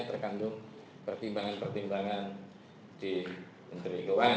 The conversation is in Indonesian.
terkandung pertimbangan pertimbangan di menteri keuangan